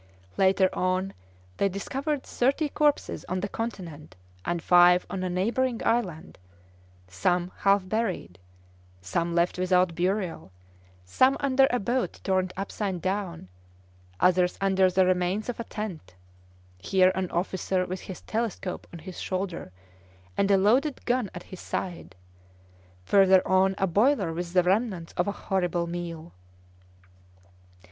Later on they discovered thirty corpses on the continent and five on a neighbouring island, some half buried, some left without burial, some under a boat turned upside down, others under the remains of a tent; here an officer with his telescope on his shoulder and a loaded gun at his side, further on a boiler with the remnants of a horrible meal!